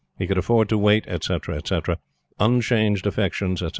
he could afford to wait, etc., etc., unchanged affections, etc.